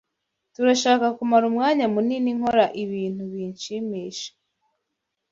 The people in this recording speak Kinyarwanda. Turashaka kumara umwanya munini nkora ibintu binshimisha.